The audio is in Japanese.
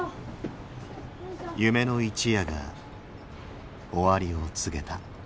夢の一夜が終わりを告げた。